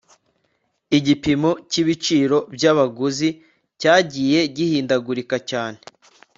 igipimo cyibiciro byabaguzi cyagiye gihindagurika cyane